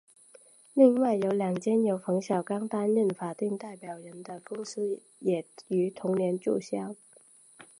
另外有两间由冯小刚担任法定代表人的公司也于同年注销。